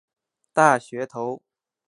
大学头。